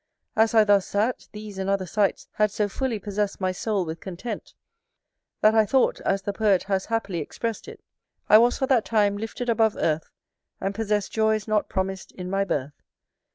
As I thus sat, these and other sights had so fully possess my soul with content, that I thought, as the poet has happily express it, I was for that time lifted above earth, And possest joys not promis'd in my birth.